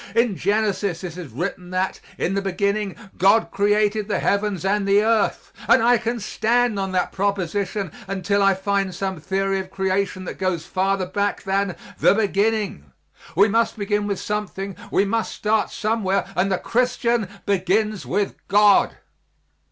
In Genesis it is written that, in the beginning, God created the heavens and the earth, and I can stand on that proposition until I find some theory of creation that goes farther back than "the beginning." We must begin with something we must start somewhere and the Christian begins with God.